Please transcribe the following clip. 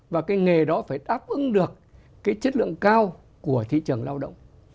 và cái nghề đó phải đáp ứng được cái chất lượng cao của thị trường lao động